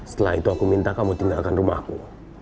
setelah itu aku minta kamu tinggalkan rumahku